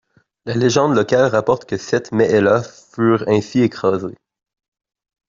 La légende locale rapporte que sept mehellas furent ainsi écrasées.